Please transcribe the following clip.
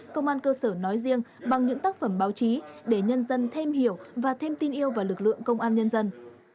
công an cơ sở nói riêng bằng những tác phẩm báo chí để nhân dân thêm hiểu và thêm tin yêu vào lực lượng công an nhân dân